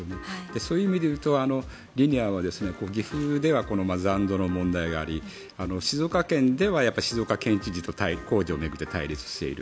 そういう意味でいうと、リニアは岐阜では残土の問題があり静岡県では静岡県知事と工事を巡って対立している。